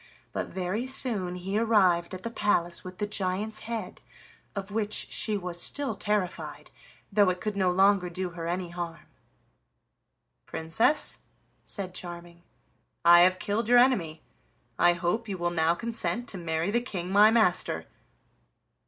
But very soon he arrived at the palace with the giant's head, of which she was still terrified, though it could no longer do her any harm. "Princess," said Charming, "I have killed your enemy; I hope you will now consent to marry the King my master."